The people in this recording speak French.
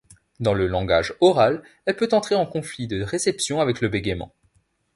Dans le langage oral, elle peut entrer en conflit de réception avec le bégaiement.